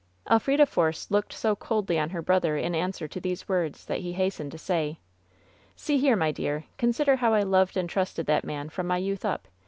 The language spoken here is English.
Elfrida Force looked so coldly on her brother in an swer to these words that he hastened to say : "See here, my dear. Consider how I loved and trusted that man from my youth up.